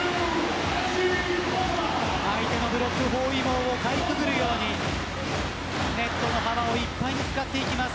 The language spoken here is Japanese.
相手のブロック包囲網をかいくぐるようにネットの幅をいっぱいに使っていきます。